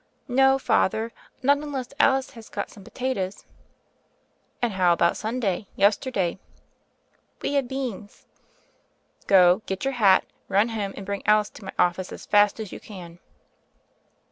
"No, Father, not unless Alice has got some potatoes." "And how about Sunday — ^yesterday?" "We had beans." "Go, get your hat, run home, and bring Alice to my office as fast as you can."